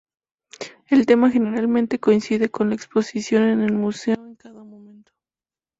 El tema generalmente coincide con la exposición en el museo en cada momento.